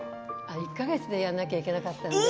１か月でやらなきゃいけなかったので。